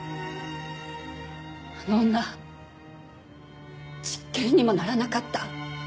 あの女実刑にもならなかった。